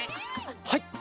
はい！